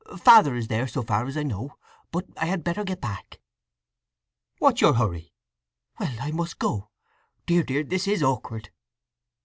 Father is there, so far as I know; but I had better get back." "What's your hurry?" "Well, I must go… Dear, dear, this is awkward!"